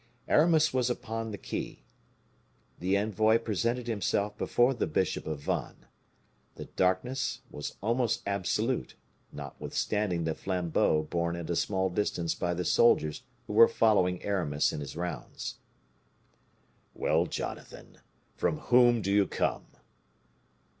Aramis was upon the quay. The envoy presented himself before the bishop of Vannes. The darkness was almost absolute, notwithstanding the flambeaux borne at a small distance by the soldiers who were following Aramis in his rounds. "Well, Jonathan, from whom do you come?"